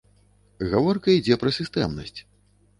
Гаворка ідзе пра сістэмнасць.